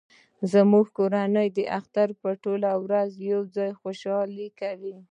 زموږ کورنۍ د اختر په ورځ ټول یو ځای خوشحالي کوي